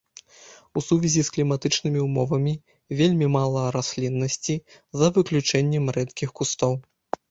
У сувязі з кліматычнымі ўмовамі вельмі мала расліннасці, за выключэннем рэдкіх кустоў.